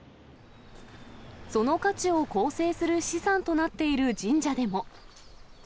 その価値を構成する資産となっている神社でも。